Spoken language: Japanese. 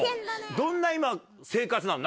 どんな今生活なの？